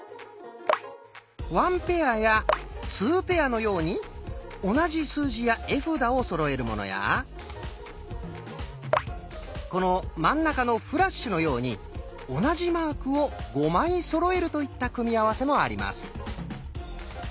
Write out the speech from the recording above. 「ワンペア」や「ツーペア」のように同じ数字や絵札をそろえるものやこの真ん中の「フラッシュ」のように同じマークを５枚そろえるといった組み合わせもあります。